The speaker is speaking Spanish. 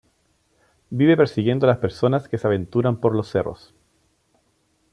Vive persiguiendo a las personas que se aventuran por los cerros.